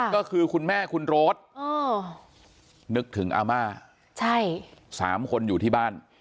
ก็คือคุณแม่คุณโรธนึกถึงอาม่า๓คนอยู่ที่บ้าน